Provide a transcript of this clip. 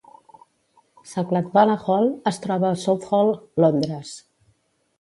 Saklatvala Hall es troba a Southall, Londres.